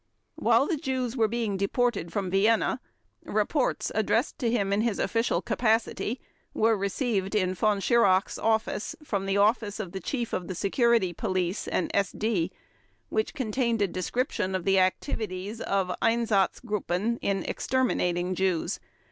While the Jews were being deported from Vienna, reports, addressed to him in his official capacity, were received in Von Schirach's office from the office of the Chief of the Security Police and SD which contained a description of the activities of Einsatzgruppen in exterminating Jews.